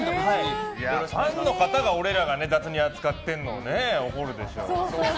ファンの方が俺らが雑に扱ってるのを怒るでしょう。